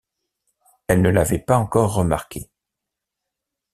Elle ne l’avait pas encore remarqué.